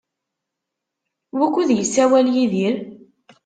Wukud yessawal Yidir?